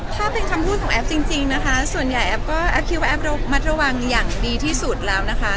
ถ้าเป็นคำพูดของแอฟจริงนะคะส่วนใหญ่แอฟก็แอปคิดว่าแป๊บระมัดระวังอย่างดีที่สุดแล้วนะคะ